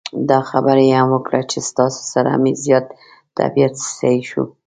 دا خبره یې هم وکړه چې ستاسو سره مې زیات طبعیت سهی شو.